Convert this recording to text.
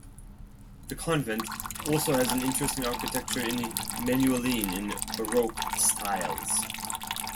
The Convent also has interesting architecture in Manueline and Baroque styles.